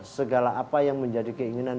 segala apa yang menjadi keinginan